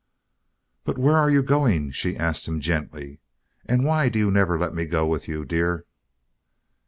"But where are you going?" she asked him gently. "And why do you never let me go with you, dear?"